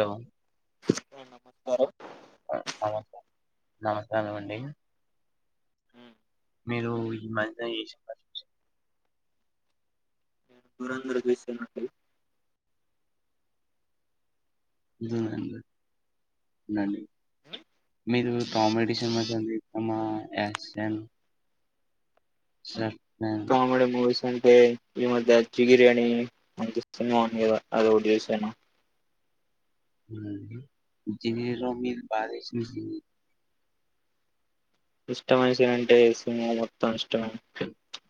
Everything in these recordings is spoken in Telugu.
హలో నమస్కారం నమ నమస్కారం అండి మీరు ఈ మధ్య ఏ [unintelligible] దూరందర చూస్తున్న అండి దు నా అండి నండి మీరు కామెడీ సినిమా చందిస్తమా యాసన్ స కామెడీ మూవీస్ ఏ ఈ మధ్య అచ్చిగిరి అనీ మంచి సినిమా ఉంది కదా అది ఒకటి చూసాను. హ్మ్ జీరోమి బదేస్ని ఇష్ట మనిషి అంటే సింహ మొత్తం ఇష్టమై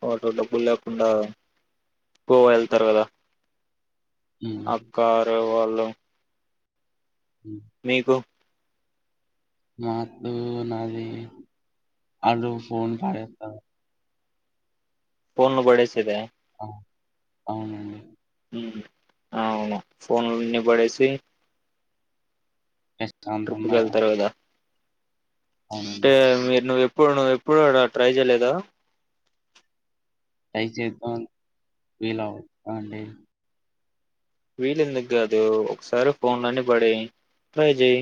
వాటో డబ్బులు లేకుండా గోవా ఎళ్తారు కదా ఉమ్, అక్కారు వాళ్ళు నీకు నాతో నాది అలు ఫోన్ పడత్తర్ ఫోన్లు బడేసేద ఆ, అవునండి హ్మ్ అవును ఫోన్లన్నీ పడేసి ట్రిప్కి ప్రశాంతంగా వెళ్తరు కదా అవునవును ఇప్పుడు నువ్వు ఎప్పుడు ట్రై చేలేదా దయచేద్ద వీలవ్ అండి వీలెందుకు గాదు ఒకసారి ఫోన్లన్ని పడేయి ట్రై చేయ్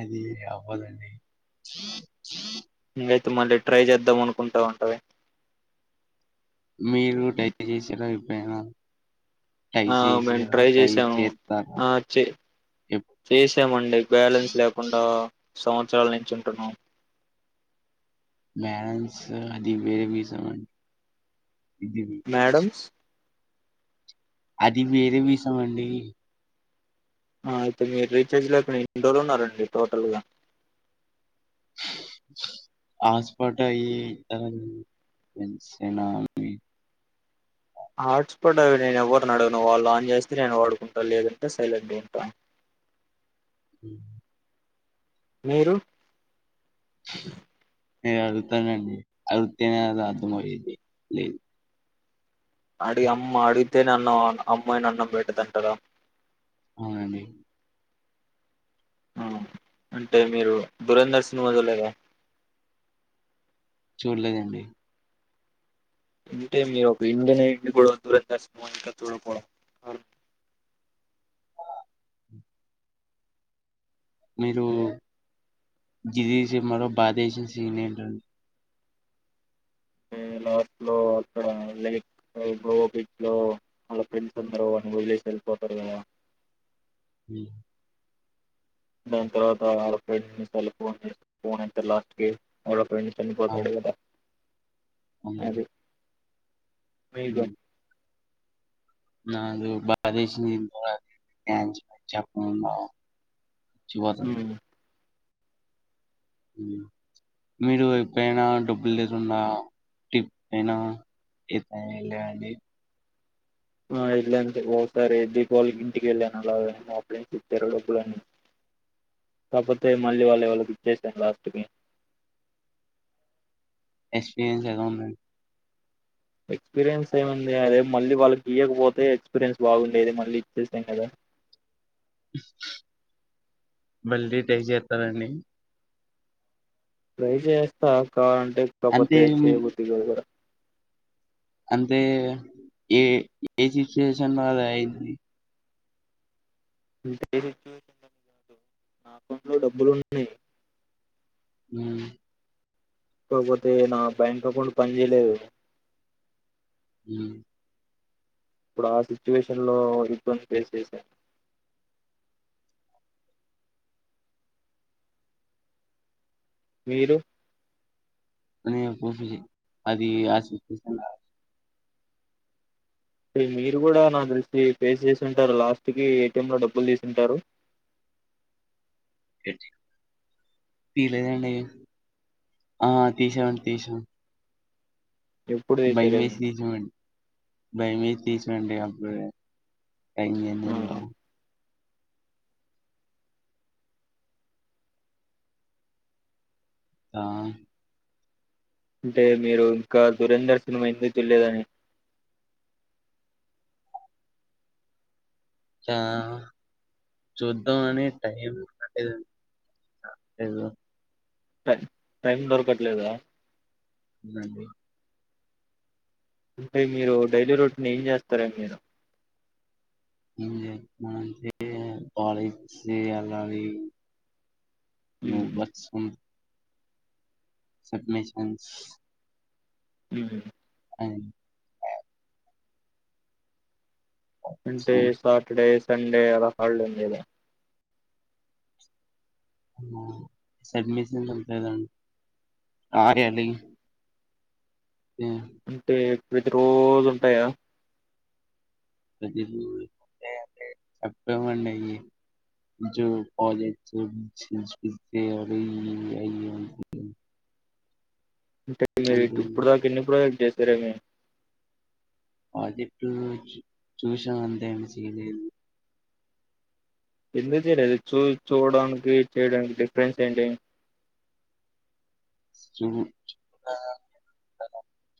అది అవ్వదండి అయితే మళ్ళీ ట్రై చేద్దాం అనుకుంటా ఉంటది మీరు డైల్ చేసింరా ఎపుడైనా ఆ మేము ట్రై చేసాము ఆ చె ఎప్ చేసామండి బ్యాలెన్స్ లేకుండా సంవత్సరాల నుంచి ఉంటున్నాము మ్యాలెన్స్ అది వే విజమ్ అం ఇది విక్స్ మేడమ్స్ అది వేరే విసం అండి ఆ అయితే మీరు రీచార్జ్ లేక ఎన్ని రోజలు ఉన్నారండి టోటల్ గా హాట్స్పాట్ ఐ ఈ నాను ఇన్ సెలల్ వీక్ ఆ హాట్స్పాట్ అవి నేను ఎవరిని అడగను వాళ్ళు ఆన్ చేస్తే నేను వాడుకుంటాను లేదంటే సైలెంట్గా ఉంటాను ఉ మీరు నే అడుగుతానండి అడుతేనే అది అర్థమయేది లేదు అడి అమ్మ అడిగితే అన్నామ్ అమ్మ అయినా అన్నం బెట్టాదంటారా అవునండి ఆ అంటే మీరు దురంధర్ సినిమా చూడలేదా చూడలేదండి ఇంటే మీరు ఒక ఇండియన్ నైట్ ని కూడా దురంధర్ సినిమా ఇంకా చూడకపోవడం మీరు జిదిసి మరో బాధ వేసిన సీన్ ఏంటి అండి ఏ లాక్ లో అక్కడ లేయిక్ ఆ గోవా బీచ్ లో వాళ్ళ ఫ్రెండ్స్ అందరు వాన్ని వదిలేసి వెళ్ళిపోతారు కదా హు దాన్ తర్వాత ఆడ ఫ్రెండ్ ఫోన్ ఎత్తి లాస్ట్ కి వాళ్ళ ఫ్రెండ్స్ అన్ని పోతాడు కదా అవును వేగం నాది బాగా దిసింది ఇంపాల్ యంచు చెప్పకుడా చ్చి వచన్ ఉమ్ మీరు ఎపుడైనా డబ్బులు లేకుండా టిప్ అయినా ఏతే అన్ లేవండి ఆ ఇల్లు అంతే ఒకసారి దీపావళి ఇంటికి వెళ్ళాను అలాగనే మాపూలెన్స్ ఇచ్చారు డబ్బులు అన్ని కాకపోతే మళ్ళీ వాళ్ళాయ్ వాళ్ళకు ఇచ్చేసాను లాస్ట్ కి ఎక్స్పీరియన్స్ ఎలా ఉన్నది ఎక్స్పీరియన్స్ ఏముంది అదే మళ్ళీ వాళ్ళకి ఇయ్యకపోతే ఎక్స్పీరియన్స్ బాగుండేది మళ్ళీ ఇచ్చేస్తాం కదా మళ్ళీ టై చేస్తానండి ట్రై చేస్తా కావాలంటే అంటే కాపోతే చేయబుద్ధిగాదుగూడ అంటే శేషను మనది అయ్యింది ఇంతేసిచ్యువేషన్ కాదు నా అకౌంట్ లో డబ్బులు ఉన్నాయి ఉన్నా కాకపోతే నా బ్యాంక్ అకౌంట్ పని చేయలేదు ఉన్నా ఇప్పుడు ఆ సిచ్యువేషన్ లో ఇబ్బంది ఫేస్ చేశా మీరు అది ఆ పోతుంది అది ఆశు ఊకుల్ల మీరు కూడా నాకు తెలిసి పేస్ చేసి ఉంటారు లాస్ట్ కి ఏటీఎం లో డబ్బులు తీసింటారు ఏటి తీయలేదు అండి ఆ తీసా అండి తీసా ఎప్పుడు తీసారేమో బైమేసి తీసినమండి బైమేసి తీసినండి అప్పుడె ఫైనల్లీ ఏం ఆ తిన్నా వు ఆ అంటే మీరు ఇంకా దురందర్ సినిమా ఎందుకు చూడలేదండి ఆ... చూద్దాం అని టైంరాలేదండి ఏదో టై టైం దొరకట్లేదా అవునండి అంటే మీరు డైలీ రొటీన్ ఏం చేస్తారండి మీరు ఏం చేత్తన అంటే కాలేజ్ కి ఎల్లాలి మి బ్లస్ మీ సబ్మిషన్స్ మ్ అ అంటే సాటర్డే సండే అలా హల్డే ఉండేద సబ్మిషన్ లు ఉంటాయి కదండి రాయాలి ఆ అంటే ప్రతీ రోజు ఉంటాయా చెప్పామండయ్యి [unintelligible] అంటె మీరు టు ఇప్పుడు దాకా ఎన్ని ప్రొవైడ్ చెసారేమి ప్రాజెక్టులు చూసాం అంతే ఏమి చేయలేదు ఎందుకు చెయలేదు చూ చూడడానికి చేయడానికి డిఫరెన్స్ ఏంటి మ్ హు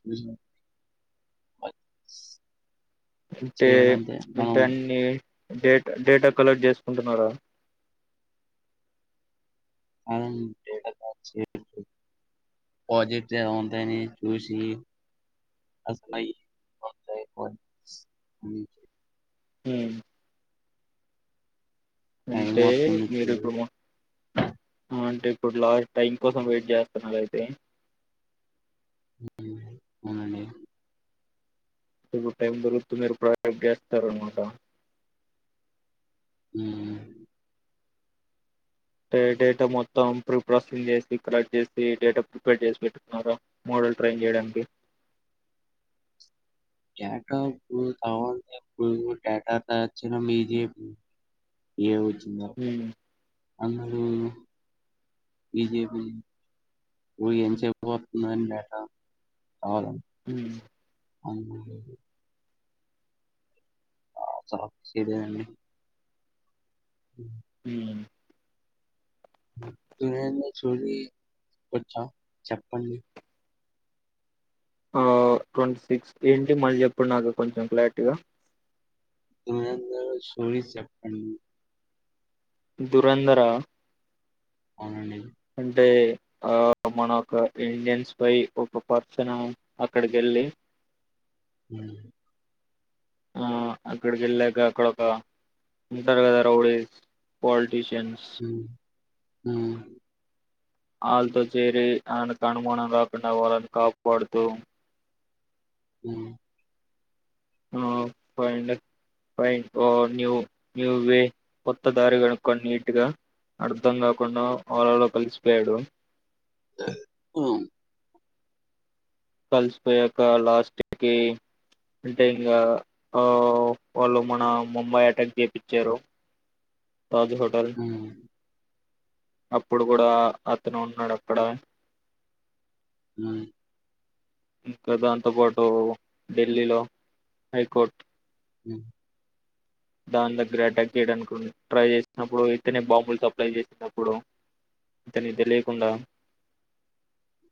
మ్.. మ్ అంటే చేయడం అంతే మనం అంటే అన్నీ డేటా డేటా కలెక్ట్ చేసుకుంటున్నారా అవును డేటా కలెక్ట్ చేపిచ్చ్ ప్రాజెక్ట్ ఏమంతైనియ్ చూసి అసలయి [unintelligible] మ్ టైం అంటే వస్తుంది చూ మీరుఇపుడు [unintelligible] లాస్ట్ టైం కోసం వెయిట్ చేస్తున్నారు అయితే ఉమ్, అవునండి ఇపుడు టైం దొరుకుతె మీరు ప్రోజెక్ట్ చేస్తారనమాట మ్ డే డేటా మొత్తం ప్రుఫ్ ప్రాసెసింగ్ చేసి కలెక్ట్ చేసి డేటా ప్రిపేర్ చేసి పెట్టున్నార మో ట్రైన్ చేయడానికి [unintelligible] [unintelligible] డేటా తయారు చేయడం ఈజీ ఏ బ్రో ఏ వచ్చిందో ఉమ్ అందరూ [unintelligible] ఓయ్ ఎంతసేపు వతుంది అని డే టా మ్ మ్ ఆ సడి [unintelligible] మ్ దురంధర్ స్టోరీ వచ్చా చెప్పండి ఆ ట్వంటీ సిక్స్ ఏంటి మళ్ళీ చెప్పండి నాకు కొంచెం క్లారిటీగా దురంధర్ స్టోరీస్ చెప్పండి దురంధర అవునండి. అంటే ఆ మన ఒక ఇండియన్స్ పై ఒక పర్సన్ అక్కడికెళ్ళి, మ్మ్ ఆ అక్కడికి వెళ్ళాక, అక్కడ ఒక ఉంటారు కదా రౌడీ పోల్ట్. టిఫిన్స్ మ్మ్ అళ్ళతో చేరి ఆయనకు అనుమానం రాకుండా, వాళ్ళని కాపాడుతూ. మ్మ్ [unintelligible] పోయిం [unintelligible] ఫైన్ ఓ న్యూ న్యూ వే కొత్త దారి కనుక్కొని నీట్ గా అర్థం గాకుండా ఓల లో కలిసిపోయాడు వుమ్మ్ కలిసిపోయాక లాస్ట్ కీ అంటే ఇంగా, ఆ వాళ్ళు మన ముంబాయి అటాక్ చేపిచ్చారు. తాజ్ హోటల్ హ్మ్. అప్పుడు కూడా అతను ఉన్నాడు అక్కడే మ్మ్ ఇంకా దాంతో పాటు ఢిల్లీలో హైకోర్ట్ అ దాని దగ్గర అటాక్ చేయడానుకోని, ట్రై చేసినప్పుడు ఇతనే బాంబులు సప్లై చేసినప్పుడు. ఇతనికి తెలేకుండా అ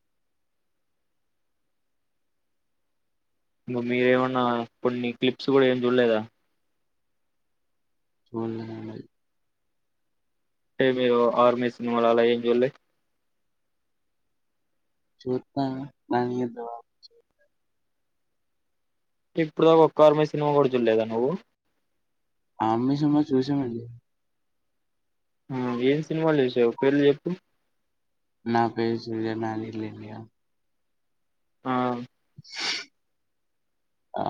ఇంగ మీరేమన్నా కొన్ని క్లిప్స్ కూడా ఏమి చూడలేదా చూడ [unintelligible] అంటే మీరు ఆర్మీ సినిమాలు అలా ఏం చూల్లే చూత్త గాని [unintelligible] [inaudible] కిప్పుడుదా ఒక్క ఆర్మీ సినిమా గూడా చూడలేదా నువ్వు ఆర్మీ సినిమా చూసామండి ఆ ఏం సినిమాలు చుసావు పేర్లు చెప్పు నా పేరు సూర్య నా ఇల్లు ఇండియా ఆ ఆ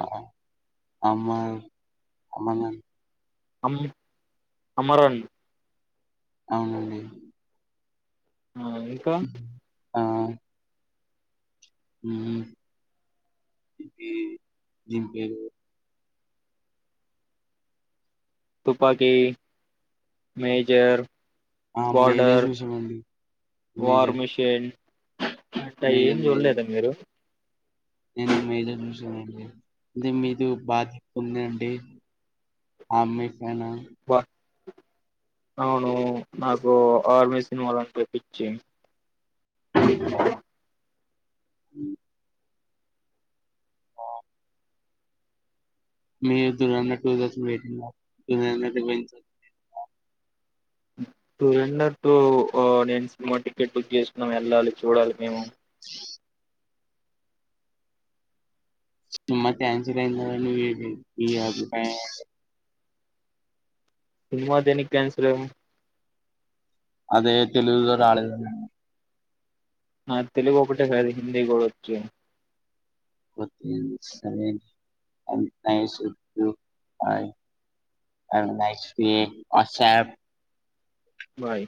అమర్ అమరన్ అమ్ అమరన్ అవునండి ఆ, ఇంకా ఆ ఉహు ఇది దీని పేరు తుపాకీ మేజర్ ఆ మేజర్ బార్డర్ చూసామండి వార్ 'మేజర్', మిషన్ అట్ట ఏం 'మేజర్', చూడలేద 'మేజర్' మీరు నేను మేజర్ చూసనండి అంటే మీతు కాదు బాధ్యత ఉంది అం [unintelligible] అమ్మేశానా వా అవును నాకు ఆర్మీ సినిమాలంటే పిచ్చి అ మీ దురంధర్ టూ [inaudible] టూరెండర్ టూ, ఆ నేను సినిమా టికెట్ బుక్ చేస్తున్నాం వెళ్ళాలి చూడాలి మేము. మా [unintelligible] ఈ అభిప్రాయ సినిమా దేనికి కాన్సిల్ అదే తెలుగులో రాలేదు అని ఆ తెలుగు ఒకటే కాదు హిందీ వచ్చు కొతి సవెన్ైస్ ఉద్యగ ప అ నైస్ అసాబ్ బాయ్